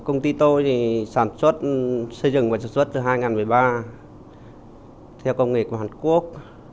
công ty tôi sản xuất xây dựng và sản xuất từ hai nghìn một mươi ba theo công nghệ của hàn quốc